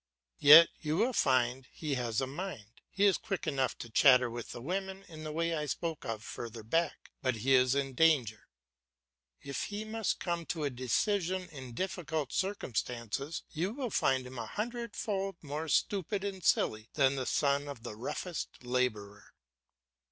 Yet you will find he has a mind. He is quick enough to chatter with the women in the way I spoke of further back; but if he is in danger, if he must come to a decision in difficult circumstances, you will find him a hundredfold more stupid and silly than the son of the roughest labourer.